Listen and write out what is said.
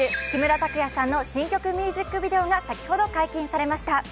木村拓哉さんの新曲ミュージックビデオが先ほど解禁されました。